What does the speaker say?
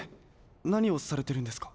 なにをされてるんですか？